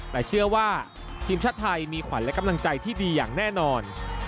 แต่เชื่อว่าทีมชาติไทยมีขวัญและกำลังใจที่ดีอย่างแน่นอน